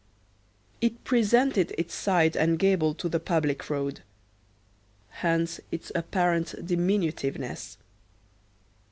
It presented its side and gable to the public road; hence its apparent diminutiveness.